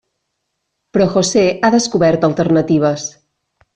Però José ha descobert alternatives.